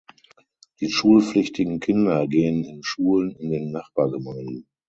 Die schulpflichtigen Kinder gehen in Schulen in den Nachbargemeinden.